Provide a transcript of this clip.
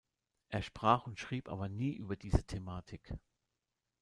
Er sprach und schrieb aber nie über diese Thematik.